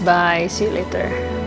sampai jumpa lagi